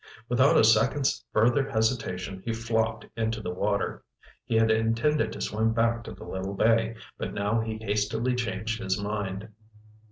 Without a second's further hesitation, he flopped into the water. He had intended to swim back to the little bay, but now he hastily changed his mind.